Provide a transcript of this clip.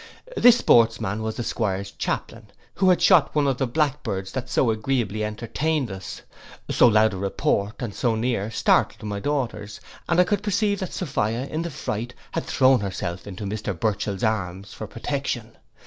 This sportsman was the 'Squire's chaplain, who had shot one of the blackbirds that so agreeably entertained us. So loud a report, and so near, startled my daughters; and I could perceive that Sophia in the fright had thrown herself into Mr Burchell's arms for protection.